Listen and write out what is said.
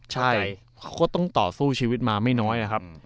เขาต้องต่อสู้ชีวิตมาไม่น้อย